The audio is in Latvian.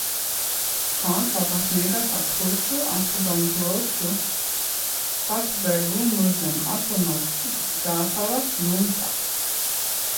Kad sākas negaiss ar krusu, atrodam drošu patvērumu zem automazgātavas jumta.